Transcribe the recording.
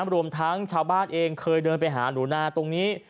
รวมทั้งชาวบ้านเองเคยเดินไปหาหนูนาตรงนี้